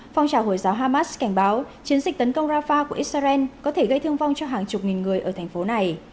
phong trào hồi giáo hamas cảnh báo chiến dịch tấn công rafah của israel có thể gây thương vong cho hàng chục nghìn người ở thành phố này